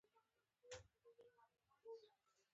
د ورس ولسوالۍ غرنۍ ده